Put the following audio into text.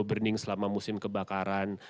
burning selama musim kebakaran